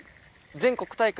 全国大会？